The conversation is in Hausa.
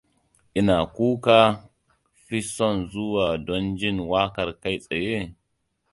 Ina kuka fi son zuwa don jin waƙar kai tsaye?